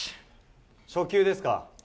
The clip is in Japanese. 初球ですか。